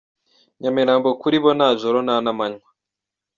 Nyamirambo Kuri bo nta joro nta n’amanywa